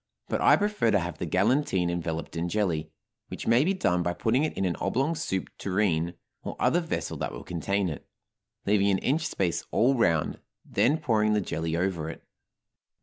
But I prefer to have the galantine enveloped in jelly, which may be done by putting it in an oblong soup tureen or other vessel that will contain it, leaving an inch space all round, then pouring the jelly over it.